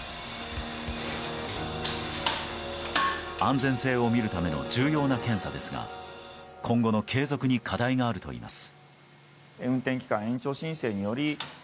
安全性を見るための重要な検査ですが今後の継続に課題があるといいます。